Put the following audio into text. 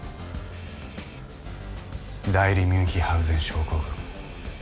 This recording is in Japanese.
代理ミュンヒハウゼン症候群。